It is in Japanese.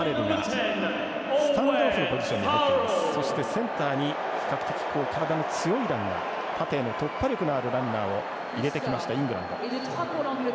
センターに比較的、体の強い選手縦への突破力があるランナーを入れてきました。